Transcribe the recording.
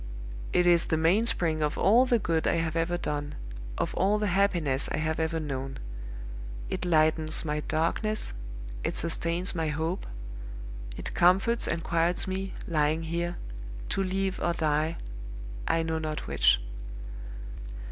It is the mainspring of all the good I have ever done, of all the happiness I have ever known; it lightens my darkness, it sustains my hope; it comforts and quiets me, lying here, to live or die, I know not which.